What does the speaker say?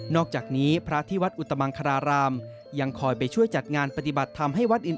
นอกจากนี้พระอาทิวัดอุตมังคาราหราม